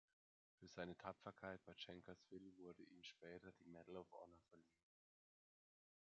Für seine Tapferkeit bei Chancellorsville wurde ihm später die Medal of Honor verliehen.